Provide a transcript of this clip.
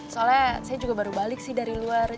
soalnya saya juga baru balik sih dari luar